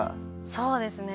そうですね。